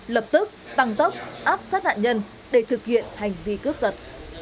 lập tức tăng tốc áp sát nạn nhân để thực hiện hành vi cướp giật